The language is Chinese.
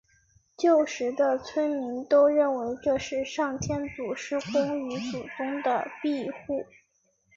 旧时的村民都认为这是上天祖师公与祖宗的庇护。